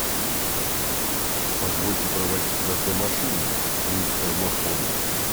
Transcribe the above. Позвольте проводить вас до машины, мистер Махон.